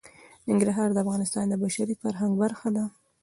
ننګرهار د افغانستان د بشري فرهنګ برخه ده.